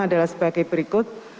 adalah sebagai berikut